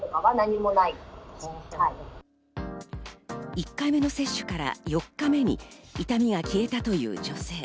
１回目の接種から４日目に痛みは消えたという女性。